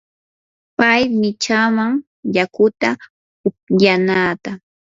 pay michaaman yakuta upyanaata.